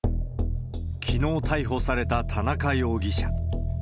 きのう逮捕された田中容疑者。